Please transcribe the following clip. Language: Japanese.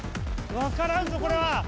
分からんぞこれは。